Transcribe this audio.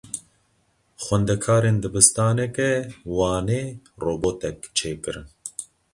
Xwendekarên dibistaneke Wanê robotek çêkirin.